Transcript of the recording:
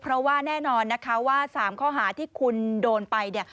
เพราะว่าแน่นอนนะคะว่า๓ข้อหาที่คุณโดนไปเนี่ย